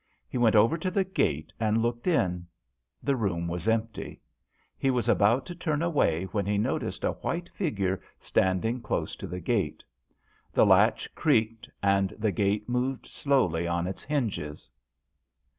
He went over to the gate and looked in. The room was empty. He was about to turn away when he noticed a white figure standing close to the gate. The latch creaked and the gate moved slowly on its hinges.